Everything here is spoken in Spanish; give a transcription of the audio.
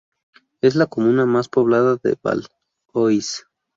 Es la comuna más poblada de Val-d'Oise.